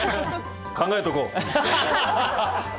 考えておこう。